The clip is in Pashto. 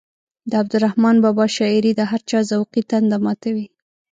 د عبدالرحمان بابا شاعري د هر چا ذوقي تنده ماتوي.